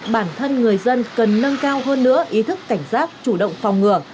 bản thân người dân cần nâng cao hơn nữa ý thức cảnh giác chủ động phòng ngừa